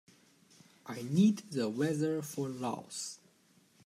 I need the weather for Laos